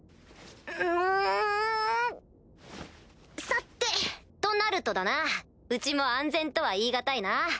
さてとなるとだなうちも安全とは言い難いな。